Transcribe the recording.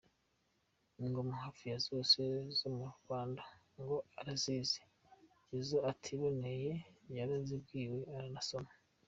Ingoma hafi ya zose zo mu Rwanda ngo arazizi, izo atiboneye yarazibwiwe aranasoma.